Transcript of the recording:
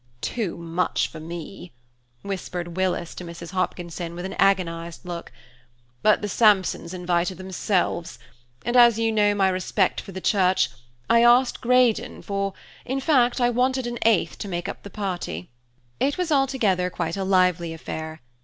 "Too much for me," whispered Willis to Mrs. Hopkinson with an agonised look, "but the Sampsons invited themselves, and as you know my respect for the church, I asked Greydon for, in fact, I wanted an eighth to make up my party." It was altogether quite a lively, affair.